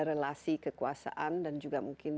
relasi kekuasaan dan juga mungkin